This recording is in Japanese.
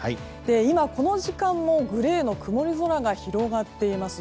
今、この時間もグレーの曇り空が広がっています。